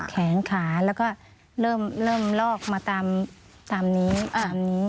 แขนขาแล้วก็เริ่มลอกมาตามนี้